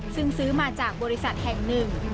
ซึ่งซื้อมาจากบริษัทแห่ง๑